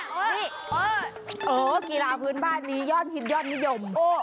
นี่กีฬาพื้นบ้านนี้ยอดฮิตยอดนิยม